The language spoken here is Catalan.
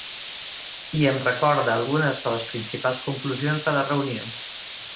I em recorda algunes de les principals conclusions de la reunió.